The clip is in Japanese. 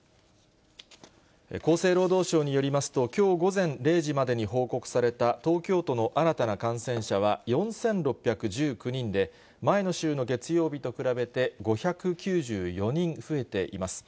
厚生労働省によりますと、きょう午前０時までに報告された東京都の新たな感染者は４６１９人で、前の週の月曜日と比べて５９４人増えています。